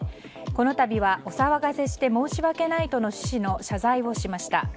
この度はお騒がせして申し訳ないとの趣旨の謝罪をしました。